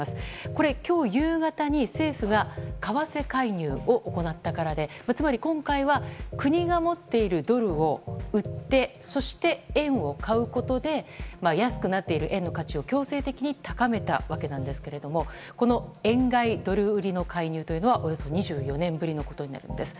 これは今日夕方に政府が為替介入を行ったからでつまり今回は国が持っているドルを売ってそして、円を買うことで安くなっている円の価値を強制的に高めたわけなんですけれども円買いドル売りの介入はおよそ２４年ぶりのことなんです。